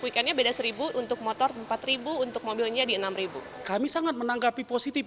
weekendnya beda seribu untuk motor empat ribu untuk mobilnya di enam ribu kami sangat menanggapi positif